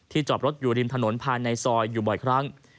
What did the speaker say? จอดรถอยู่ริมถนนภายในซอยอยู่บ่อยครั้ง